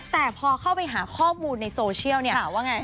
แต่พอเข้าไปหาข้อมูลในโซเชียลเนี่ย